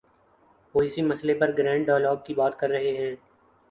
وہ اسی مسئلے پر گرینڈ ڈائیلاگ کی بات کر رہے ہیں۔